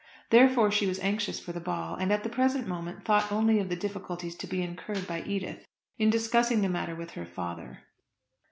Therefore she was anxious for the ball; and at the present moment thought only of the difficulties to be incurred by Edith in discussing the matter with her father.